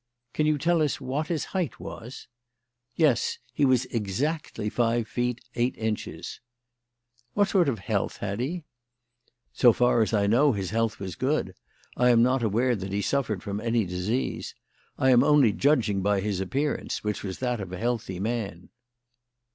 "Can you tell us what his height was?" "Yes. He was exactly five feet eight inches." "What sort of health had he?" "So far as I know his health was good. I am not aware that he suffered from any disease. I am only judging by his appearance, which was that of a healthy man."